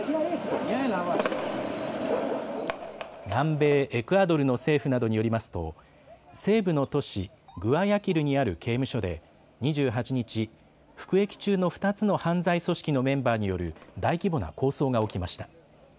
南米エクアドルの政府などによりますと西部の都市、グアヤキルにある刑務所で２８日、服役中の２つの犯罪組織のメンバーによる大規模な抗争が起きました。